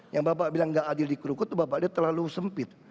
yang bapak bilang tidak adil di kurukut itu bapak terlalu sempit